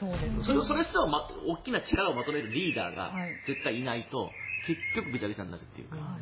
それすら、大きな力をまとめるリーダーが絶対いないと結局ぐちゃぐちゃになるというか。